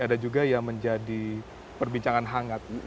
ada juga yang menjadi perbincangan hangat